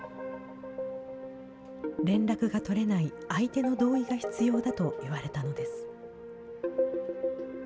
連絡が取れない、相手の同意が必要だと言われたのです。